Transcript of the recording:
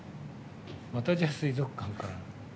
またじゃあ水族館か。